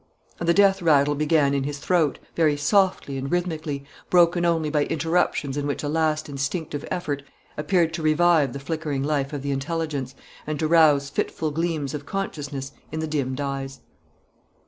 And the death rattle began in his throat, very softly and rhythmically, broken only by interruptions in which a last instinctive effort appeared to revive the flickering life of the intelligence, and to rouse fitful gleams of consciousness in the dimmed eyes.